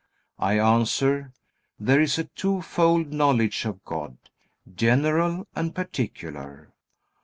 I answer: There is a twofold knowledge of God, general and particular.